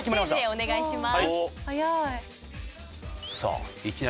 お願いします。